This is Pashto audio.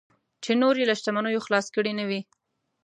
چې نور یې له شتمنیو خلاص کړي نه وي.